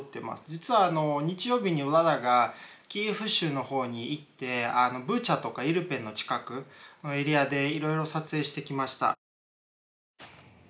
実は日曜日にヴラダがキーフ州の方に行ってブチャとかイルペンの近くのエリアでいろいろ撮影してきました。